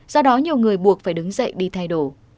do đó nhiều người buộc phải đứng dậy đi thay đổi